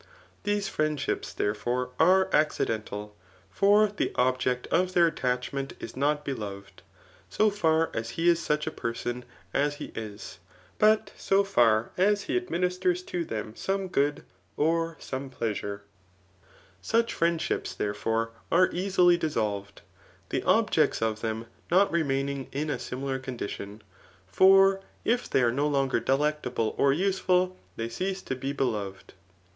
These friendships, therefore, are accidental j for the ob* ject of their attachment is not beloved, so far as he is such a person as he is, but so far as he administers to them some good, or some pleasure. Such friendships^ Digitized by Google i CHAP. III. ETHICS. 393 therefore, are easily diasolred, the objects of them ^lot remaining in a similar condition ; for if they are no longer delectable or useful, they cease to be beloved.